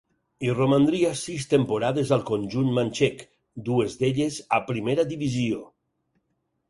Hi romandria sis temporades al conjunt manxec, dues d'elles a primera divisió.